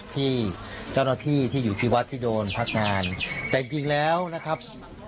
ที่เจ้าหน้าที่ที่อยู่ที่วัดที่โดนพักงานแต่จริงแล้วนะครับ